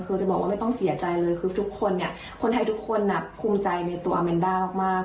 คือจะบอกว่าไม่ต้องเสียใจเลยคือทุกคนเนี่ยคนไทยทุกคนภูมิใจในตัวแมนด้ามาก